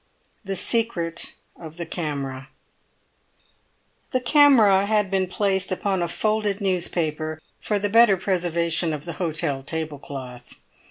THE SECRET OF THE CAMERA The camera had been placed upon a folded newspaper, for the better preservation of the hotel table cloth.